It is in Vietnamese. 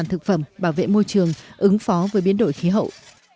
thực phẩm bảo vệ môi trường ứng phó với biến đổi khí hậu